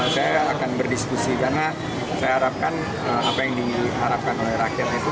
saya akan berdiskusi karena saya harapkan apa yang diharapkan oleh rakyat itu